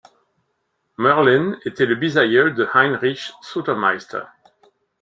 Moehrlen était le bisaïeul de Heinrich Sutermeister.